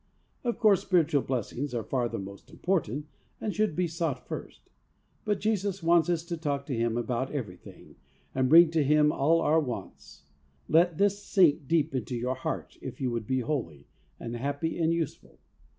Of course, spiritual blessings are far the most important, and should be sought first; but Jesus wants us to talk to Him about everything, and bring to Him all our wants. Let this sink deep into your heart, if you would be holy, and happy, and useful.